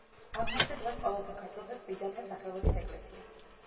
აღმართზე დგას ყოველთა ქართველთა წმიდათა სახელობის ეკლესია.